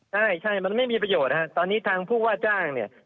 ใช่ใช่มันไม่มีประโยชน์นะครับตอนนี้ทางผู้ว่าจ้างเนี่ย